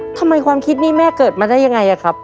ความคิดนี้แม่เกิดมาได้ยังไงอะครับ